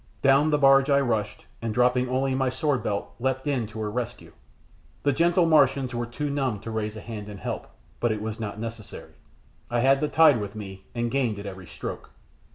Down the barge I rushed, and dropping only my swordbelt, leapt in to her rescue. The gentle Martians were too numb to raise a hand in help; but it was not necessary. I had the tide with me, and gained at every stroke.